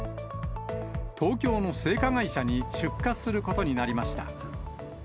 東京の青果会社に出荷することになりました。